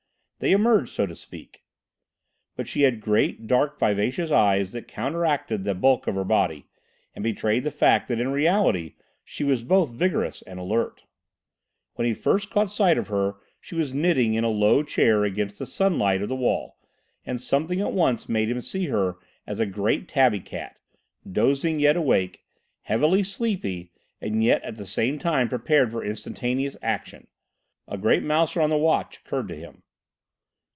They emerged, so to speak. But she had great dark, vivacious eyes that counteracted the bulk of her body, and betrayed the fact that in reality she was both vigorous and alert. When he first caught sight of her she was knitting in a low chair against the sunlight of the wall, and something at once made him see her as a great tabby cat, dozing, yet awake, heavily sleepy, and yet at the same time prepared for instantaneous action. A great mouser on the watch occurred to him.